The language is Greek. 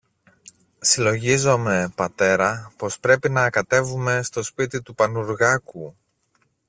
Συλλογίζομαι, πατέρα, πως πρέπει να κατεβούμε στο σπίτι του Πανουργάκου